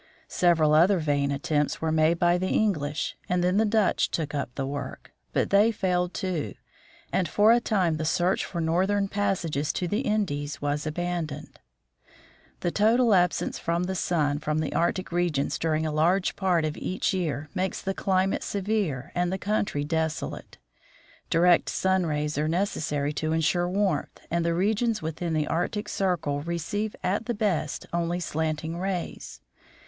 Several other vain attempts were made by the English, and then the Dutch took up the work ; but they failed, too, and for a time the search for northern passages northernmost to the Indies was aban "*"»" doned. The total absence of the sun from the Arctic regions VERTICAL .&"~ rays during a large part of each year makes the climate severe and the country southernmost^ desolate. Direct sun rays rays" are necessary to insure The Earth on December 21. .. A , warmth, and the regions within the Arctic circle receive at the best only slanting rays.